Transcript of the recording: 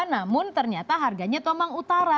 namun ternyata harganya tomang utara